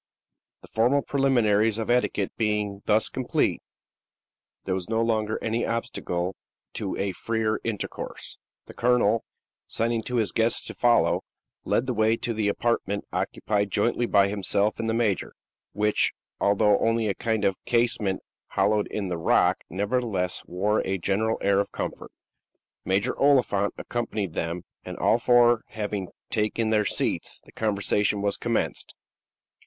The formal preliminaries of etiquette being thus complete, there was no longer any obstacle to a freer intercourse. The colonel, signing to his guests to follow, led the way to the apartment occupied jointly by himself and the major, which, although only a kind of casemate hollowed in the rock, nevertheless wore a general air of comfort. Major Oliphant accompanied them, and all four having taken their seats, the conversation was commenced.